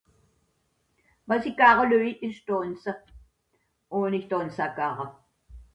dànze